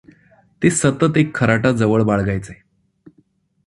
ते सतत एक खराटा जवळ बाळगायचे.